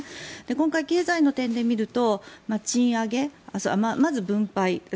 今回、経済の点で見るとまず分配。